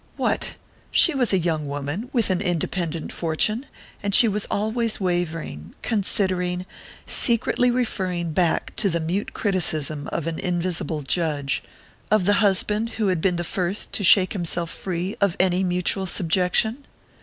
What! She was a young woman, with an independent fortune, and she was always wavering, considering, secretly referring back to the mute criticism of an invisible judge of the husband who had been first to shake himself free of any mutual subjection?